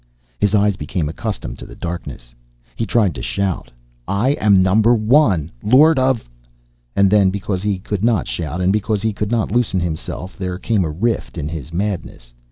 His eyes became accustomed to the darkness. He tried to shout, "I am Number One, Lord of " And then, because he could not shout and because he could not loosen himself, there came a rift in his madness.